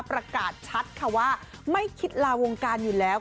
ประกาศชัดค่ะว่าไม่คิดลาวงการอยู่แล้ว